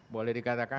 boleh dikatakan apa